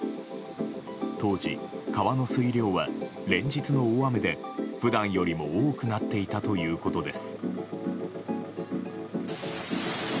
当時、川の水量は連日の大雨で普段よりも多くなっていたということです。